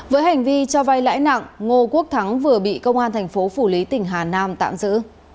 với hành vi cho vay lãi nặng ngô quốc thắng vừa bị công an tp hcm tạm giữ